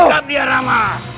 tangkap dia rama